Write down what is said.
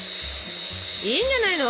いいんじゃないの？